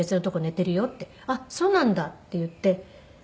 「あっそうなんだ」って言って。